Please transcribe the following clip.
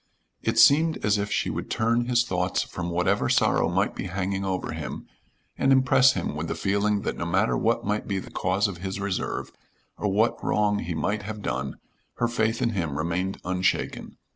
It seemed as if she would turn his thoughts from whatever sorrow might be hanging over him, and impress him with the feeling that no matter what might be the cause of his reserve, or what wrong he might have done, her faith in him remained unshaken.